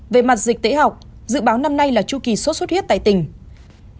về mặt dịch tễ học dự báo năm nay là chu kỳ sốt xuất huyết tại tỉnh